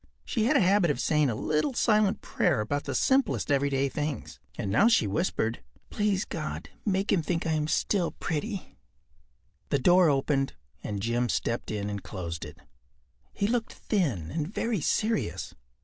She had a habit of saying a little silent prayer about the simplest everyday things, and now she whispered: “Please God, make him think I am still pretty.” The door opened and Jim stepped in and closed it. He looked thin and very serious.